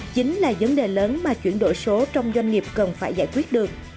chính là vấn đề lớn mà chuyển đổi số trong doanh nghiệp cần phải giải quyết được